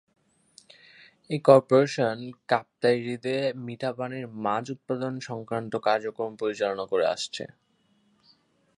এই কর্পোরেশন কাপ্তাই হ্রদে মিঠা পানির মাছ উৎপাদন সংক্রান্ত কার্যক্রম পরিচালনা করে আসছে।